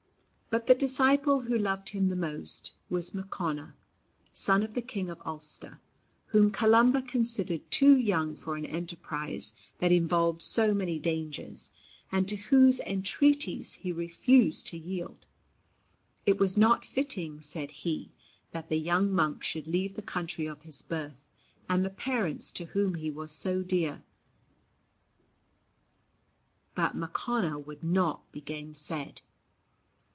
But the disciple who loved him the most was Mochonna, son of the King of Ulster, whom Columba considered too young for an enterprise that involved so many dangers, and to whose entreaties he refused to yield. It was not fitting, said he, that the young monk should leave the country of his birth and the parents to whom he was so dear; but Mochonna would not be gainsaid.